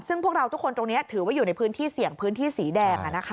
ซึ่งพวกเราทุกคนตรงนี้ถือว่าอยู่ในพื้นที่เสี่ยงพื้นที่สีแดง